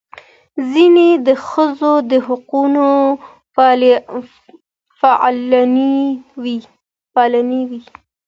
ځینې د ښځو د حقونو فعالانې وې.